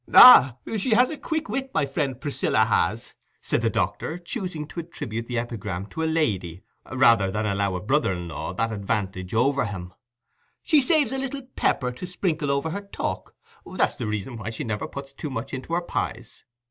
"Ah, she has a quick wit, my friend Priscilla has," said the doctor, choosing to attribute the epigram to a lady rather than allow a brother in law that advantage over him. "She saves a little pepper to sprinkle over her talk—that's the reason why she never puts too much into her pies.